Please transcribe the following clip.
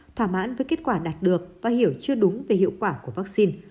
thỏa mãn với kết quả đạt được và hiểu chưa đúng về hiệu quả của vaccine